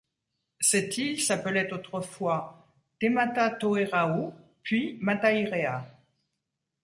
Cette île s'appelait autrefois Tematatoerau, puis Matairea.